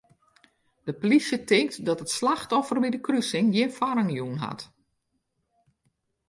De plysje tinkt dat it slachtoffer by de krusing gjin foarrang jûn hat.